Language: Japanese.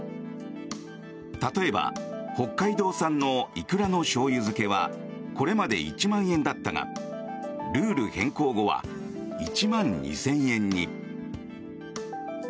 例えば、北海道産のイクラのしょうゆ漬けはこれまで１万円だったがルール変更後は１万２０００円に。